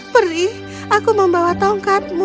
pri aku mau bawa tongkatmu